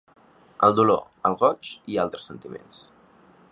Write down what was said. El dolor, el goig i altres sentiments.